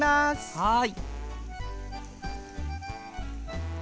はい。